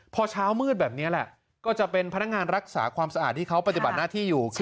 พอเช้ามืดแบบนี้แหละก็จะเป็นพนักงานรักษาความสะอาดที่เขาปฏิบัติหน้าที่อยู่